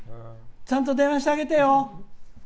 ちゃんと電話してあげてよ！